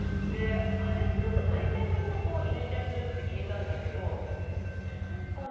あれすると大体みんなイメチェンするって聞いたんだけど何かね